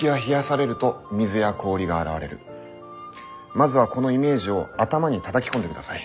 まずはこのイメージを頭にたたき込んでください。